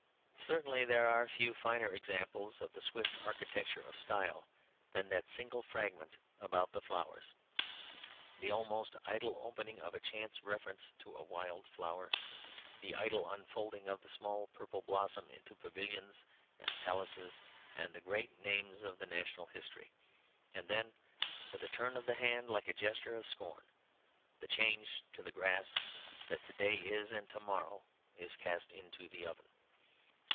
Certainly there are few finer examples of the swift architecture of style than that single fragment about the flowers; the almost idle opening of a chance reference to a wild flower, the sudden unfolding of the small purple blossom into pavilions and palaces and the great name of the national history; and then with a turn of the hand like a gesture of scorn, the change to the grass that to day is and to morrow is cast into the oven.